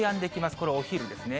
これはお昼ですね。